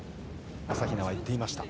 朝比奈は言っていました。